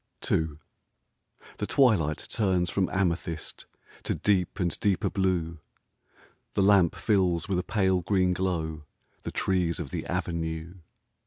II The twilight turns from amethyst j To deep and deeper blue, 'i The lamp fills with a pale green glow \ The trees of the avenue.